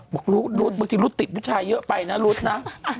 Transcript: บอกลุ๊ดที่ลุ๊ดติดผู้ชายเยอะไปนะลุ๊ดนะ